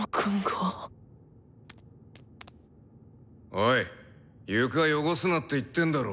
オイ床汚すなって言ってんだろ。